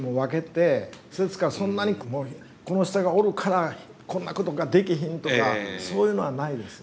ですからそんなにこの人がおるからこんなことができひんとかそういうのはないです。